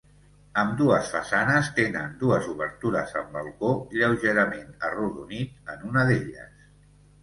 Ambdues façanes tenen dues obertures amb balcó, lleugerament arrodonit en una d'elles.